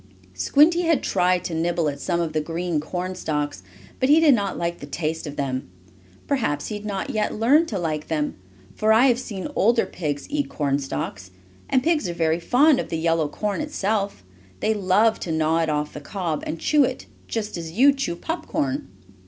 Squinty had tried to nibble at some of the green corn stalks, but he did not like the taste of them. Perhaps he had not yet learned to like them, for I have seen older pigs eat corn stalks. And pigs are very fond of the yellow corn itself. They love to gnaw it off the cob, and chew it, just as you chew popcorn.